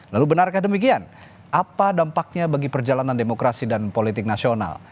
lalu benarkah demikian apa dampaknya bagi perjalanan demokrasi dan politik nasional